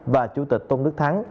và chủ tịch tôn đức thắng